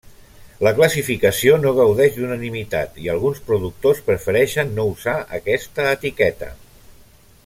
La classificació no gaudeix d'unanimitat i alguns productors prefereixen no usar aquesta etiqueta.